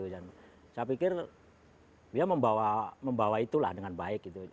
saya pikir dia membawa itulah dengan baik gitu